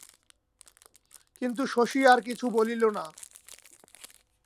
কিন্তু শশী আর কিছু বলিল না।